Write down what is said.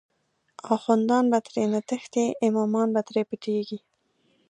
آخوندان به ترینه تښتی، امامان به تری پټیږی